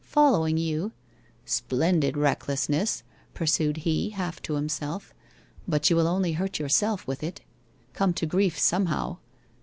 Following you '' Splendid recklessness !' pursued he, half to himself, ' but you will only hurt yourself with it — come to grief, somehow